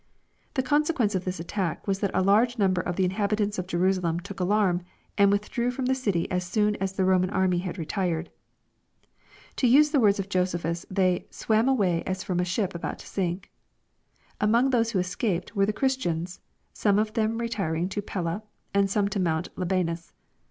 The consequence of this at tack was that a large number of the inhabitants of Jerusalem took alarm, and withdrew from the city as soon as the Roman army had retired. To use the words of Josephus, they " swam away as from a ship about to sink." Among those who escaped were the Christians, some of them retiring to Pella, and some to Mount Libanus.